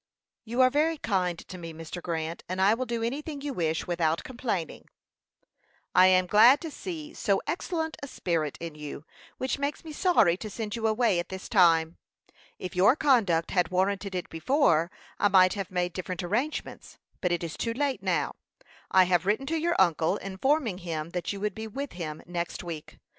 "You are very kind to me, Mr. Grant, and I will do anything you wish without complaining." "I am glad to see so excellent a spirit in you, which makes me sorry to send you away at this time. If your conduct had warranted it before, I might have made different arrangements; but it is too late now. I have written to your uncle, informing him that you would be with him next week.